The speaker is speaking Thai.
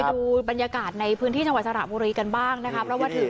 ไปดูบรรยากาศในพื้นที่จังหวัดสระบุรีกันบ้างนะครับ